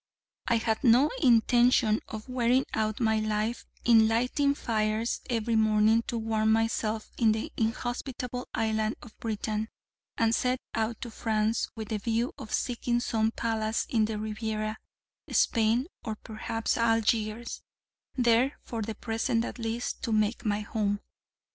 I had no intention of wearing out my life in lighting fires every morning to warm myself in the inhospitable island of Britain, and set out to France with the view of seeking some palace in the Riviera, Spain, or perhaps Algiers, there, for the present at least, to make my home.